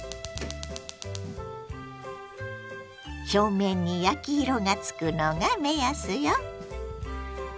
表面に焼き色がつくのが目安よ。